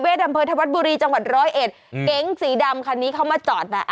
เวทย์ดำเภอธวัสบุรีจังหวัด๑๐๑เก๋งสีดำคันนี้เข้ามาจอดนะ